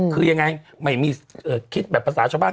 คือยังไงไม่มีคิดแบบภาษาชาวบ้าน